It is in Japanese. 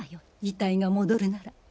遺体が戻るなら。